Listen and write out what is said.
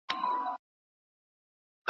خو ذهن کې يې شته ډېر.